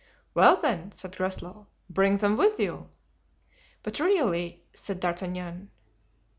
"Well, then," said Groslow, "bring them with you." "But really——" said D'Artagnan.